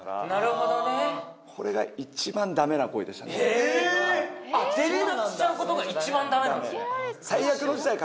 えあっ出れなくしちゃうことが一番ダメなんですね